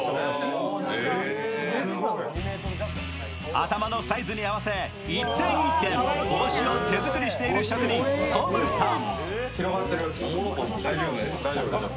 頭のサイズに合わせ、一点一点帽子を手作りしている職人・トムさん。